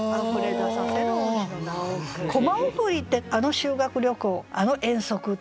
コマ送りってあの修学旅行あの遠足とかね